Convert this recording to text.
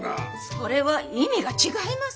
それは意味が違います。